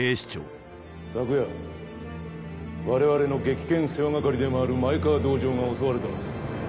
昨夜我々の撃剣世話掛でもある前川道場が襲われた。